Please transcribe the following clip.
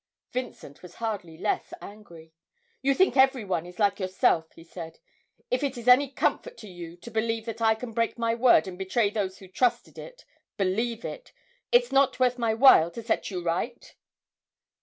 Vincent was hardly less angry. 'You think every one is like yourself!' he said. 'If it is any comfort to you to believe that I can break my word and betray those who trusted it, believe it it's not worth my while to set you right?'